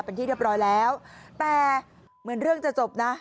เป็นที่เรียบร้อยแล้วแต่เหมือนเรื่องจะจบนะ